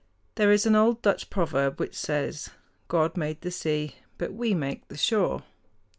There is an old Dutch proverb which says, "God made the sea; but we make the shore."